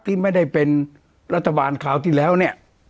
ที่ไม่ได้เป็นรัฐบาลคราวที่แล้วเนี่ย